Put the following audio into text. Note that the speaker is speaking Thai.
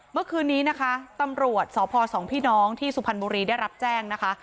เมื่อคืนนี้นะคะตำรวจสพสองพี่น้องที่สุพรรณบุรีได้รับแจ้งนะคะ